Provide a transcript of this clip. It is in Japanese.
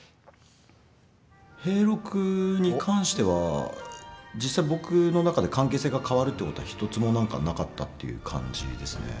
平六に関しては実際、僕の中で関係性が変わるということは１つも、なんか、なかったという感じですね。